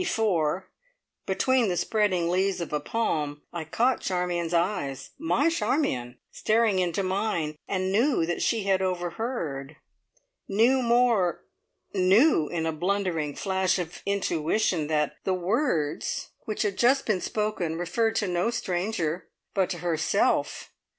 before, between the spreading leaves of a palm, I caught Charmion's eyes my Charmion! staring into mine, and knew that she had overheard knew more knew, in a blundering flash of intuition, that the words which had just been spoken referred to no stranger, but to herself!